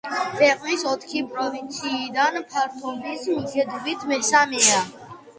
ქვეყნის ოთხი პროვინციიდან ფართობის მიხედვით მესამეა.